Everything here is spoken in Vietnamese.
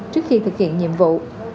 trước khi thực hiện nhiệm vụ